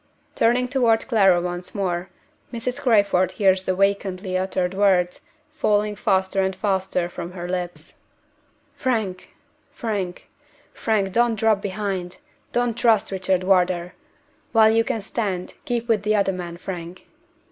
Turning toward Clara once more, Mrs. Crayford hears the vacantly uttered words, falling faster and faster from her lips, "Frank! Frank! Frank! Don't drop behind don't trust Richard Wardour. While you can stand, keep with the other men, Frank!"